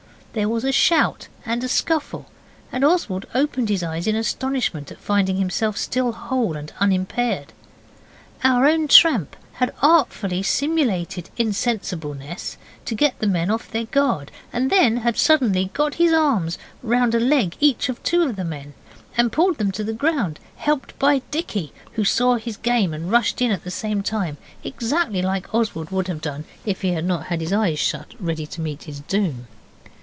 There was a shout and a scuffle, and Oswald opened his eyes in astonishment at finding himself still whole and unimpaired. Our own tramp had artfully simulated insensibleness, to get the men off their guard, and then had suddenly got his arms round a leg each of two of the men, and pulled them to the ground, helped by Dicky, who saw his game and rushed in at the same time, exactly like Oswald would have done if he had not had his eyes shut ready to meet his doom.